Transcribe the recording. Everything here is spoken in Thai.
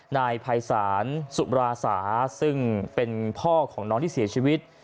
นายภัยศาลสุราสาซึ่งเป็นพ่อของน้องที่เสียชีวิต